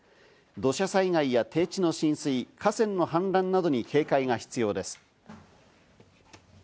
土砂災害や低地の浸水、河川の氾濫などに警戒が必要です。